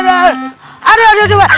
aduh aduh aduh